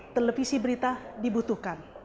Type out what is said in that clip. televisi berita dibutuhkan